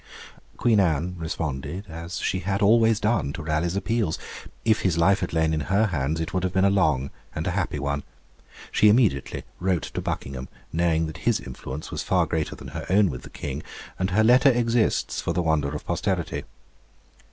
Queen Anne responded as she had always done to Raleigh's appeals. If his life had lain in her hands, it would have been a long and a happy one. She immediately wrote to Buckingham, knowing that his influence was far greater than her own with the King, and her letter exists for the wonder of posterity.